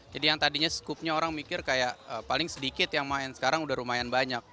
jadi yang tadinya scoopnya orang mikir kayak paling sedikit yang main sekarang udah lumayan banyak